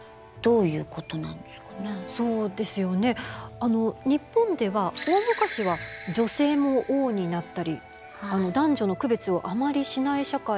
あの日本では大昔は女性も王になったり男女の区別をあまりしない社会だったんですね。